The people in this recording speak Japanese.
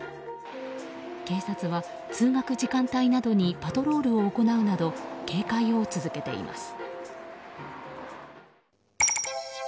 警察は通学時間帯などにパトロールを行うなど警戒を続けています。